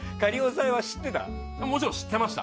もちろん知ってました。